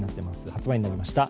発売になりました。